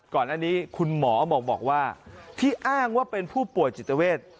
ก่อนอันนี้คุณหมอบอกว่าที่อ้างว่าเป็นผู้ป่วยจิตเวท